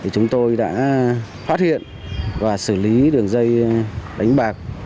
chúng tôi đã phát hiện và xử lý đường dây đánh bạc